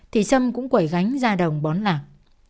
thì sâm cũng quẩy gánh ra đồng bón lạc